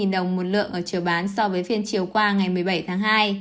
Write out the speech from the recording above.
tăng một trăm năm mươi đồng một lượng ở chiều bán so với phiên chiều qua ngày một mươi bảy tháng hai